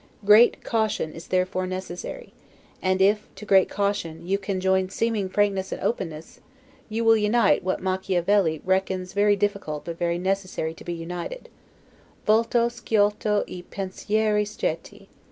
Great caution is therefore necessary; and if, to great caution, you can join seeming frankness and openness, you will unite what Machiavel reckons very difficult but very necessary to be united; 'volto sciolto e pensieri stretti'.